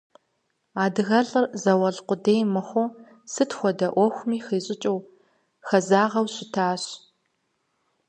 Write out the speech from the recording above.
АдыгэлӀыр зауэлӏ къудей мыхъуу, сыт хуэдэ Ӏуэхуми хищӀыкӀыу, хэзагъэу щытащ.